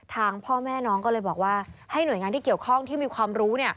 ทางพ่อแม่น้องก็เลยบอกว่าให้หน่วยงานที่เกี่ยวข้องที่มีความรู้